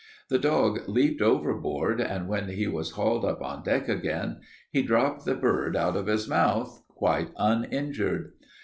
The dog leaped overboard, and when he was hauled up on deck again, he dropped the bird out of his mouth, quite uninjured.